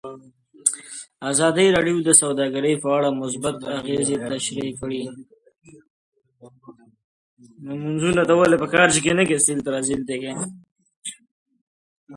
ازادي راډیو د سوداګري په اړه مثبت اغېزې تشریح کړي.